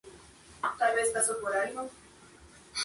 En la Edad Media fue conocido como "Garganta de Ruy Velásquez".